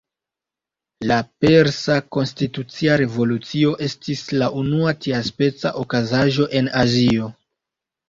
La Persa Konstitucia Revolucio estis la unua tiaspeca okazaĵo en Azio.